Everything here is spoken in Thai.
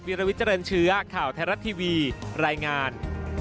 วิรวิจรรย์เชื้อข่าวแทรรัตทีวีรายงาน